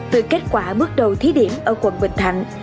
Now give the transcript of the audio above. từ kết quả bước đầu thí điểm ở quận bình thạnh